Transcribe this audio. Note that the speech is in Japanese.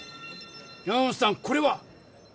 山本さんこれは？